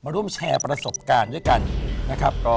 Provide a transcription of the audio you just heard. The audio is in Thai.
ร่วมแชร์ประสบการณ์ด้วยกันนะครับ